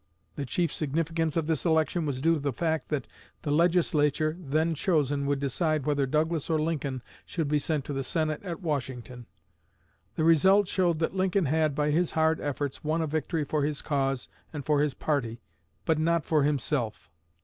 The chief significance of this election was due to the fact that the Legislature then chosen would decide whether Douglas or Lincoln should be sent to the Senate at Washington. The result showed that Lincoln had, by his hard efforts, won a victory for his cause and for his party, but not for himself.